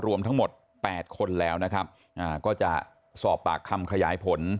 รวมทั้งหมด๘คนแล้วนะครับก็จะสอบปากคำขยายผล